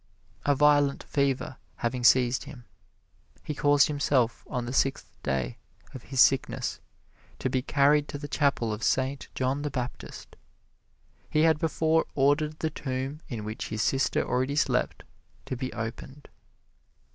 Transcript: A violent fever having seized him, he caused himself on the sixth day of his sickness to be carried to the chapel of Saint John the Baptist; he had before ordered the tomb in which his sister already slept to be opened.